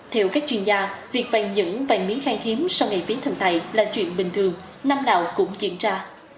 theo các chuyên gia việc vàng nhẫn vàng miếng khang hiếm sau ngày phí thần tài là chuyện bình thường năm nào cũng diễn ra